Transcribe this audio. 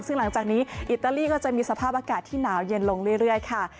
ซึ่งหลังจากนี้อิตาลีก็จะมีสภาพอากาศที่หนาวเย็นลงเรื่อยค่ะ